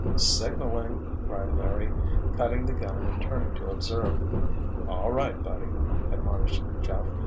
"Signaling!" cried Larry, cutting the gun and turning to observe. "All right, buddy," admonished Jeff.